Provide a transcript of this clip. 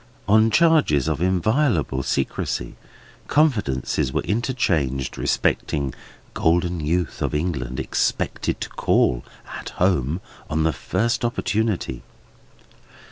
On charges of inviolable secrecy, confidences were interchanged respecting golden youth of England expected to call, "at home," on the first opportunity.